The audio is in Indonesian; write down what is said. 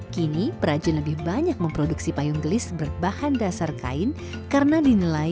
kini perajin lebih banyak memproduksi payung gelis berbahan dasar kain karena dinilai lebih kuat dan tahan lama dibandingkan dengan kain